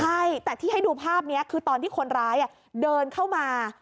ใช่แต่ที่ให้ดูภาพนี้คือตอนที่คนร้ายเดินเข้ามา